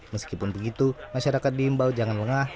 meskipun begitu masyarakat diimbau jangan lengah